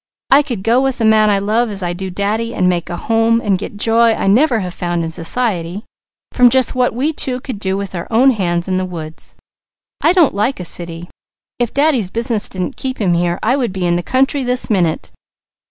I could go with a man I love as I do Daddy, and make a home, and get joy I never have found in society, from just what we two could do with our own hands in the woods. I don't like a city. If Daddy's business didn't keep him here, I would be in the country this minute.